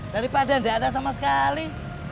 daripada tidak ada sama sekali